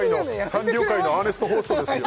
サンリオ界のアーネスト・ホーストですよ